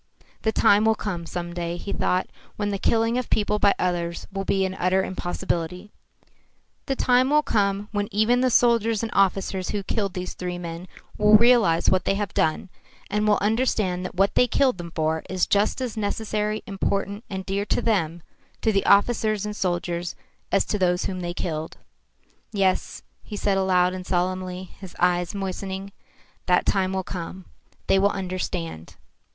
"The time will come some day," he thought, "when the killing of people by others will be an utter impossibility. The time will come when even the soldiers and officers who killed these three men will realise what they have done and will understand that what they killed them for is just as necessary, important, and dear to them to the officers and soldiers as to those whom they killed." "Yes," he said aloud and solemnly, his eyes moistening, "that time will come. They will understand."